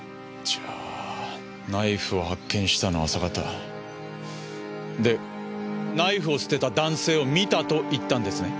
じゃあナイフを発見したのは朝方。でナイフを捨てた男性を見たと言ったんですね？